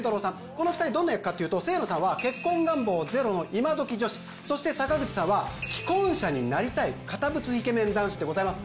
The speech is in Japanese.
この２人どんな役かというと清野さんはそして坂口さんは既婚者になりたい堅物イケメン男子でございます